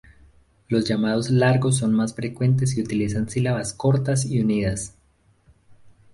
Los llamados largos son más frecuentes y utilizan sílabas cortas y unidas.